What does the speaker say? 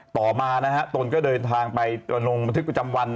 ต่อมาตนก็เดินทางไปลงบันทึกประจำวัน